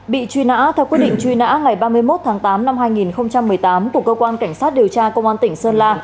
bị truy nã theo quyết định truy nã ngày ba mươi một tháng tám năm hai nghìn một mươi tám của cơ quan cảnh sát điều tra công an tỉnh sơn la